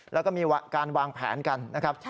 แล้วก็มีการวางแผนกันนะครับ